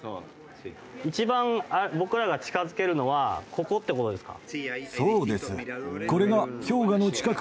一番僕らが近付けるのはここって事ですか？